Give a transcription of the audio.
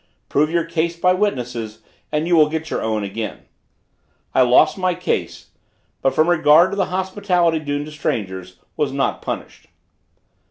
Prove your case by witnesses, and you will get your own again." I lost my case, but from regard to the hospitality due to strangers, was not punished.